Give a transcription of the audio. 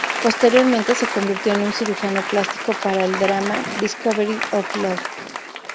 Posteriormente se convirtió en un cirujano plástico para el drama "Discovery of Love.